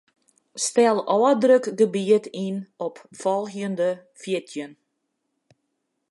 Stel ôfdrukgebiet yn op folgjende fjirtjin.